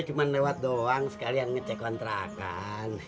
cuma lewat doang sekalian ngecek kontrakan